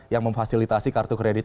yang memfasilitasi kartu kredit